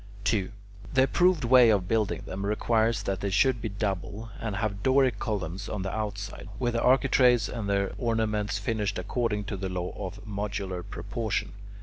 2. The approved way of building them requires that they should be double, and have Doric columns on the outside, with the architraves and their ornaments finished according to the law of modular proportion.